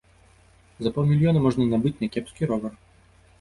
За паўмільёна можна набыць някепскі ровар.